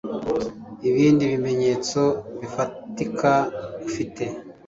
ibindi bimenyetso bifatika ufite